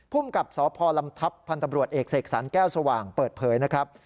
ภูมิกับสพลำทัพพันธ์ตำรวจเอกเสกสรรแก้วสว่างเปิดเผยนะครับ